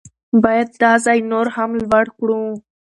باید دا ځای نور هم لوړ کړو.